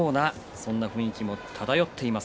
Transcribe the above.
そんな雰囲気が漂っています。